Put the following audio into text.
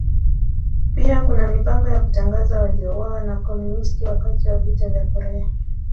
Pia kuna mipango ya kutangaza waliouawa na Wakomunisti wakati wa Vita vya Korea.